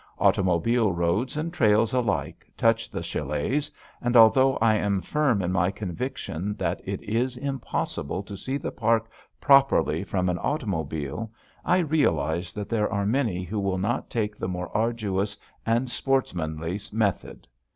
Automobile roads and trails alike touch the chalets, and, although I am firm in my conviction that it is impossible to see the park properly from an automobile, I realize that there are many who will not take the more arduous and sportsmanly method.